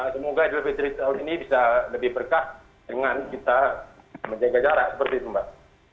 semoga idul fitri tahun ini bisa lebih berkah dengan kita menjaga jarak seperti itu mbak